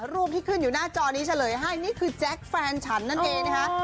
รูปที่ขึ้นอยู่หน้าจอนี้เฉลยให้นี่คือแจ๊คแฟนฉันนั่นเองนะคะ